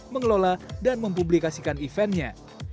mengelola dan mempublikasikan eventnya